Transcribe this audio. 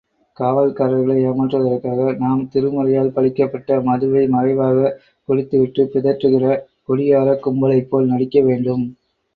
காவல்காரர்களை ஏமாற்றுவதற்காக நாம், திருமறையால் பழிக்கப்பட்ட மதுவை மறைவாகக் குடித்துவிட்டுப் பிதற்றுகிற குடிகாரக்கும்பலைப்போல் நடிக்க வேண்டும்.